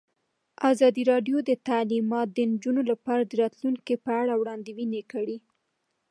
ازادي راډیو د تعلیمات د نجونو لپاره د راتلونکې په اړه وړاندوینې کړې.